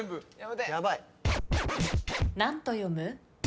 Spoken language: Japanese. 何と読む？